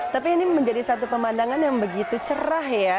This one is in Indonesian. tapi ini menjadi satu pemandangan yang begitu cerah ya